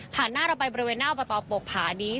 ผ่านหน้าเราไปบริเวณหน้าประตอบปกผาดี